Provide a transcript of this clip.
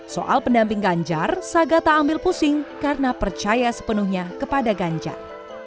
soal pendamping ganjar saga tak ambil pusing karena percaya sepenuhnya kepada ganjar